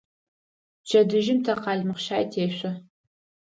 Пчэдыжьым тэ къалмыкъщай тешъо.